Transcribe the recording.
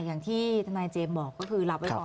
อย่างที่ทนายเจมส์บอกก็คือรับไว้ก่อน